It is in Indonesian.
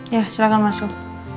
ya silahkan masuk